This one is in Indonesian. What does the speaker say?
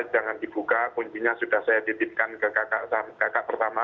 jangan dibuka kuncinya sudah saya titipkan ke kakak pertama